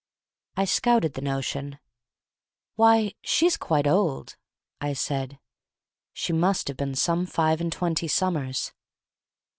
I scouted the notion. "Why, she's quite old," I said. (She must have seen some five and twenty summers.)